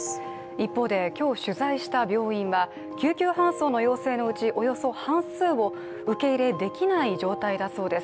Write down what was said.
一方で、今日取材した病院は救急搬送の要請のうちおよそ半数を受け入れできない状態だそうです。